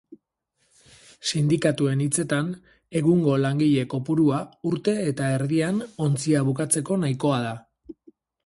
Sindikatuen hitzetan, egungo langile kopurua urte eta erdian ontzia bukatzeko nahikoa da.